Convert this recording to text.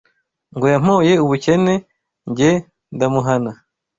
Ngo yampoye ubukene, Jye ndamuhana